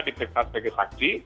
diteksas sebagai saksi